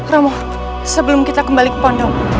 ramu sebelum kita kembali ke pondong